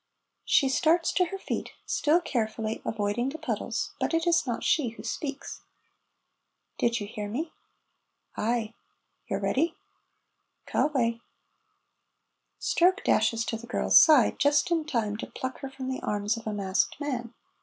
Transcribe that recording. She starts to her feet, still carefully avoiding the puddles, but it is not she who speaks. ("Did you hear me?") ("Ay.") ("You're ready?") ("Ca' awa'.") Stroke dashes to the girl's side, just in time to pluck her from the arms of a masked man.